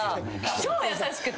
超優しくて。